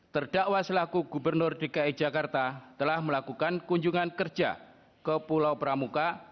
terdakwa selaku gubernur dki jakarta telah melakukan kunjungan kerja ke pulau pramuka